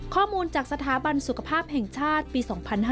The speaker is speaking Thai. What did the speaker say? ข้อมูลจากสถาบันสุขภาพแห่งชาติปี๒๕๕๙